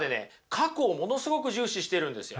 過去をものすごく重視してるんですよ。